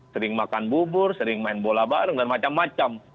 sering makan bubur sering main bola bareng dan macam macam